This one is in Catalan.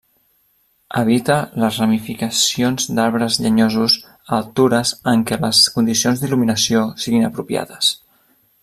Habita a les ramificacions d'arbres llenyosos a altures en què les condicions d'il·luminació siguin apropiades.